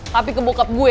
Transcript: tapi ke bokap gue